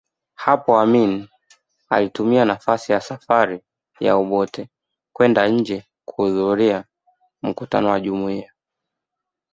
Hapo Amin alitumia nafasi ya safari ya Obote kwenda nje kuhudhuria mkutano wa Jumuiya